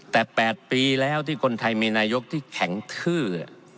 แต่๘ปีแล้วที่คนไทยมีนายกที่แข็งทื้อ